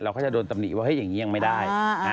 เขาจะโดนตำหนิว่าอย่างนี้ยังไม่ได้